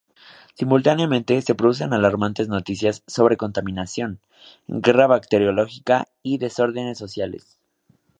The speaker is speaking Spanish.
Simultáneamente se producen alarmantes noticias sobre contaminación, guerra bacteriológica y desórdenes sociales.